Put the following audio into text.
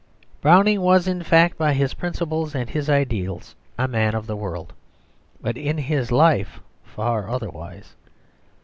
Browning was in fact by his principles and his ideals a man of the world, but in his life far otherwise.